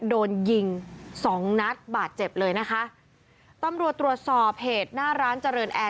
โดนยิงสองนัดบาดเจ็บเลยนะคะตำรวจตรวจสอบเหตุหน้าร้านเจริญแอร์